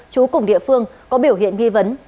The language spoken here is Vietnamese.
chú cùng địa phương có biểu hiện nghi vấn